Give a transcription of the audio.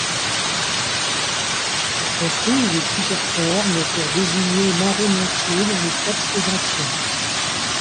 On trouve plusieurs formes pour désigner Maresmontiers dans les textes anciens.